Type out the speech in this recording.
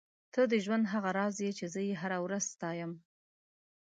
ته د ژوند هغه راز یې چې زه یې هره ورځ ستایم.